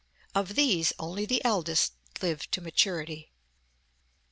Of these only the eldest lived to maturity.